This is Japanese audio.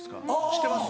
知ってます？